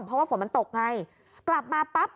เพราะว่าฝนมันตกไงกลับมาปั๊บ